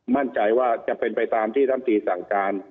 มั่นใจว่าจะเป็นไปตามที่ลำตีสั่งการ